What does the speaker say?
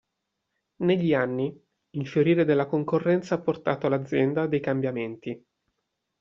Negli anni, il fiorire della concorrenza ha portato l'azienda a dei cambiamenti.